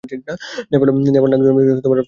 নেপাল নাগ জন্মেছিলেন ঢাকার তেজগাঁও-এ।